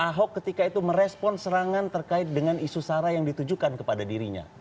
ahok ketika itu merespon serangan terkait dengan isu sara yang ditujukan kepada dirinya